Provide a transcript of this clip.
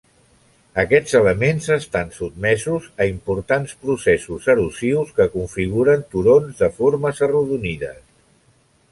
Aquests elements estan sotmesos a importants processos erosius que configuren turons de formes arrodonides.